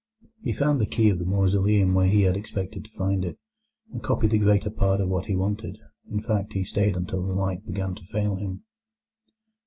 He found the key of the mausoleum where he had expected to find it, and copied the greater part of what he wanted; in fact, he stayed until the light began to fail him.